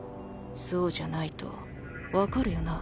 そうじゃないと分かるよな？